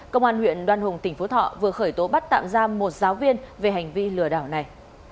công an huyện đoan hùng tỉnh phú thọ vừa khởi tố bắt tạm giam một giáo viên về hành vi lừa đảo này